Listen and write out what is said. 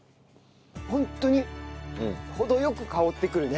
ホントに程良く香ってくるね